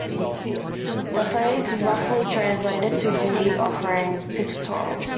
The phrase roughly translated to "duty offering pictorial".